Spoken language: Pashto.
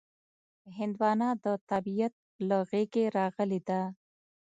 هندوانه د طبیعت له غېږې راغلې ده.